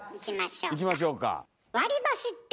いきましょうか。